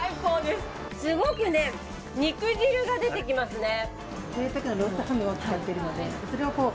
すごく肉汁が出てきますね。